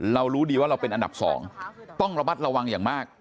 รู้ดีว่าเราเป็นอันดับ๒ต้องระมัดระวังอย่างมาก